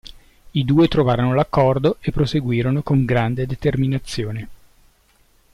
I due trovarono l'accordo e proseguirono con grande determinazione.